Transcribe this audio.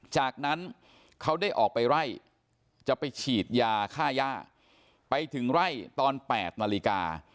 จากนั้นเขาได้ออกไปไล่จะไปฉีดยาค่าย่าไปถึงไร่ตอน๘นาฬิกา